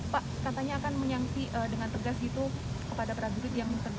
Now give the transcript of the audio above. pak katanya akan menyangsi dengan tegas gitu kepada prajurit yang terlibat